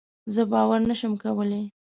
زه باور نشم کولی.